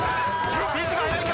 ピーチが早いか？